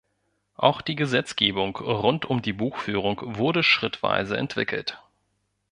Auch die Gesetzgebung rund um die Buchführung wurde schrittweise entwickelt.